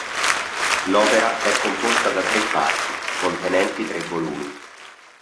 L'opera è composta da tre parti contenenti tre volumi.